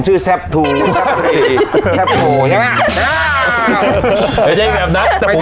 ชื่อแซ่บทูแซ่บแซ่บโทใช่ไหมย่าไม่ใช่แบบนั้นไม่ใกล้